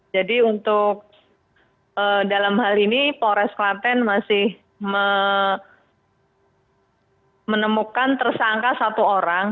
jadi untuk dalam hal ini pores waten masih menemukan tersangka satu orang